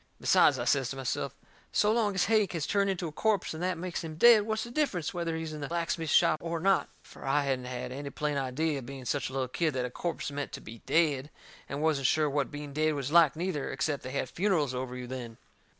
Besides, I says to myself, "so long as Hank has turned into a corpse and that makes him dead, what's the difference whether he's in the blacksmith shop or not?" Fur I hadn't had any plain idea, being such a little kid, that a corpse meant to be dead, and wasn't sure what being dead was like, neither, except they had funerals over you then.